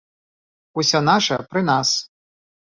Усё наша пры нас.